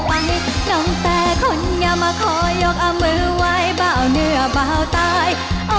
ไปน้องแต่คนอย่ามาขอยกอมมือไว้เบาเหนือเบาตายโอ้ตาย